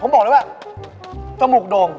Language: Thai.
เออมันก็เข้าไปจรหรอก